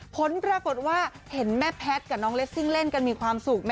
ผลปรากฏว่าเห็นแม่แพทย์กับน้องเลสซิ่งเล่นกันมีความสุข